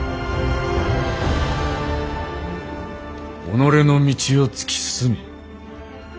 己の道を突き進め。